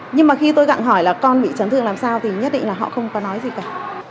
nhưng mà khi tôi gặng hỏi là con bị chấn thương làm sao thì nhất định là họ không có nói gì cả